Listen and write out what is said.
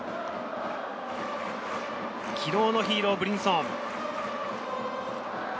昨日のヒーロー、ブリンソン。